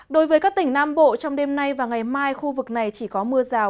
đối với các tỉnh nam bộ trong đêm nay và ngày mai khu vực này chỉ có mưa rào